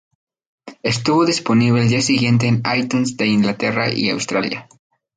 Estuvo disponible el día siguiente en iTunes de Inglaterra y Australia.